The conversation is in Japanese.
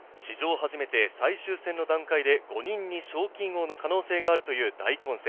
初めて最終戦の段階で５人に賞金王の可能性があるという大混戦。